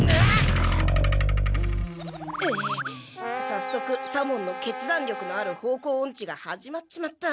さっそく左門の決断力のある方向オンチが始まっちまった。